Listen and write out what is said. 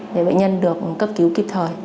để bệnh nhân được cấp cứu kịp thời